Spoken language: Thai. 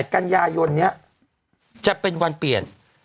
กันยายนนี้จะเป็นวันเปลี่ยน